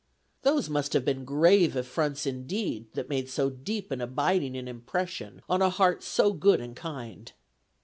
Those must have been grave affronts indeed that made so deep and abiding an impression on a heart so good and kind.